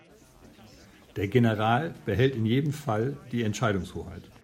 Der General behält in jedem Fall die Entscheidungshoheit.